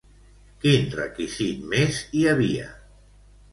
Quin requisit més hi havia?